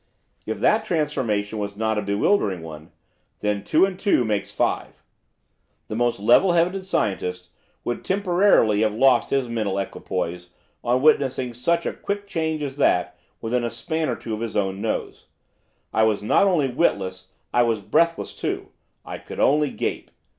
If that transformation was not a bewildering one, then two and two make five. The most level headed scientist would temporarily have lost his mental equipoise on witnessing such a quick change as that within a span or two of his own nose I was not only witless, I was breathless too, I could only gape.